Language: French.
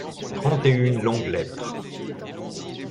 Trente et une longues lettres.